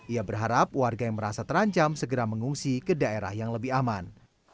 ia berharap warga yang merasa terancam segera mengungsi ke daerah yang lebih aman